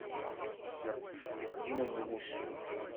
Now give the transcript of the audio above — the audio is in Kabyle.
Neṭṭeṣ deg yiwen n wusu.